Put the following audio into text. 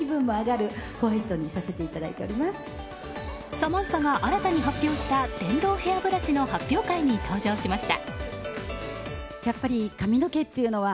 サマンサが新たに発表した電動ヘアブラシの発表会に登場しました。